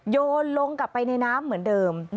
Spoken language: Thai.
โยนลงกลับไปในน้ำเหมือนเดิม